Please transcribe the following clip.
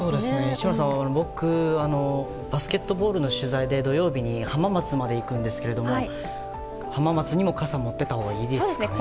市村さん、僕バスケットボールの取材で土曜日に浜松まで行くんですけれども浜松にも傘を持っていったほうがいいですかね。